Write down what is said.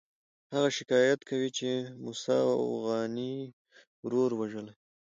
هغه شکایت کوي چې موسی اوغاني ورور وژلی.